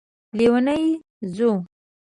لیونی ځو